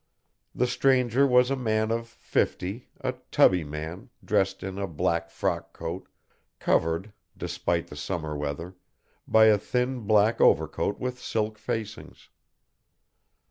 The stranger was a man of fifty, a tubby man, dressed in a black frock coat, covered, despite the summer weather, by a thin black overcoat with silk facings.